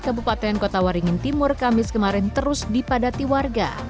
kabupaten kota waringin timur kamis kemarin terus dipadati warga